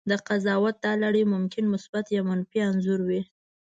د قضاوت دا لړۍ ممکن مثبت یا منفي انځور وي.